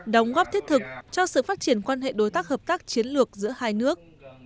đóng góp thiết thực cho sự phát triển quan hệ đối tác hợp tác chiến lược giữa hai nước